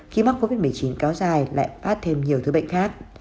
khi mắc covid một mươi chín kéo dài lại phát thêm nhiều thứ bệnh khác